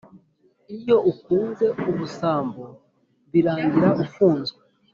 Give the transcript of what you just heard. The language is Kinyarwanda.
iyo ukunze ubusambo birangira ufunzwe